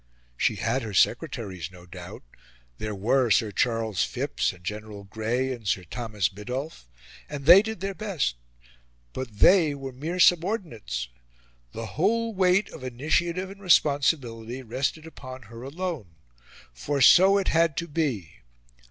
She had her secretaries, no doubt: there were Sir Charles Phipps, and General Grey, and Sir Thomas Biddulph; and they did their best. But they were mere subordinates: the whole weight of initiative and responsibility rested upon her alone. For so it had to be.